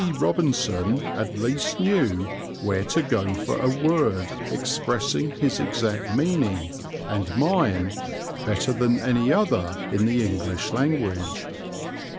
Robinson at least knew where to go for a word expressing his exact meaning, and mine, better than any other in the English language.